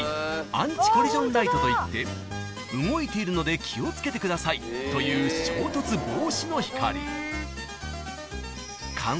アンチコリジョンライトといって動いているので気を付けてくださいという衝突防止の光］